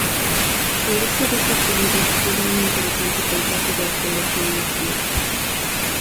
Producto de esta actividad queda un interesante paisaje de arqueología industrial.